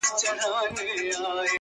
د شپو په زړه کي وینمه توپان څه به کوو؟!.